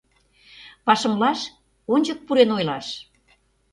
Пашымлаш — ончык пурен ойлаш.